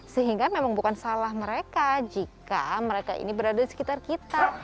sehingga memang bukan salah mereka jika mereka ini berada di sekitar kita